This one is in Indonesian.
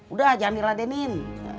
udah jangan diladenin